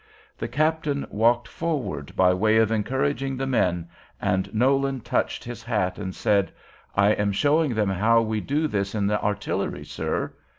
The captain walked forward by way of encouraging the men, and Nolan touched his hat and said, "I am showing them how we do this in the artillery, sir."